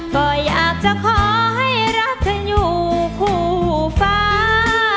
ก็อยากจะขอให้รักเธออยู่คู่ฟ้า